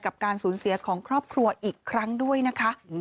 การสูญเสียของครอบครัวอีกครั้งด้วยนะคะ